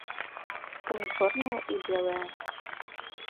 Таму чорнае і белае.